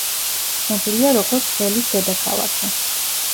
ცნობილია როგორც „ველის დედაქალაქი“.